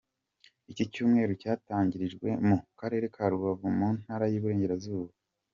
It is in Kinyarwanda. Iki cyumweru cyatangirijwe mu karere ka Rubavu mu ntara y’ Iburengerazuba.